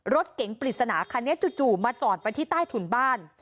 รถเก๋งปริศนาคันนี้จู่มาจอดไปที่ใต้ถุนบ้าน